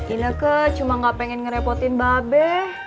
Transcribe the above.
ini ke cuma gak pengen ngerepotin mbak be